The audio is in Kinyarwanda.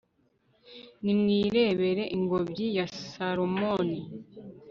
nimwirebere ingobyi ya salomoni